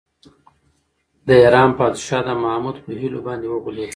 د ایران پادشاه د محمود په حيلو باندې وغولېد.